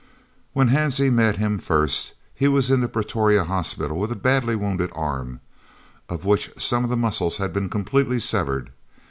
When Hansie met him first he was in the Pretoria hospital with a badly wounded arm, of which some of the muscles had been completely severed.